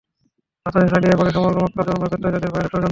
হতাশা ছড়িয়ে পড়ে সমগ্র মক্কায়, চরমভাবে ব্যর্থ হয় তাদের ভয়ানক ষড়যন্ত্র।